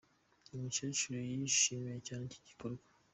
Uyu mukecuru yishimiye cyane iki gikorwa.